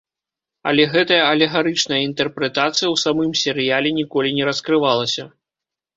Але гэтая алегарычная інтэрпрэтацыя ў самым серыяле ніколі не раскрывалася.